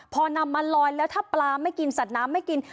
พอนำมาลอยแล้วถ้าปลาไม่กินสัตว์น้ำไม่กิน